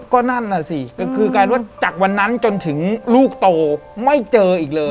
ก็นั่นน่ะสิก็คือกลายว่าจากวันนั้นจนถึงลูกโตไม่เจออีกเลย